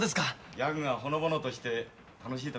ギャグがほのぼのとして楽しいところがいいなあ。